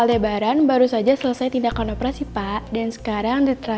dengan berasa hati untuk meng insbesondere